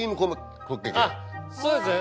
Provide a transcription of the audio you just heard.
そうですね